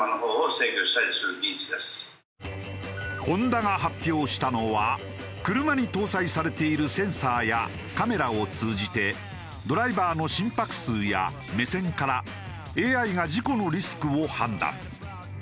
ホンダが発表したのは車に搭載されているセンサーやカメラを通じてドライバーの心拍数や目線からＡＩが事故のリスクを判断。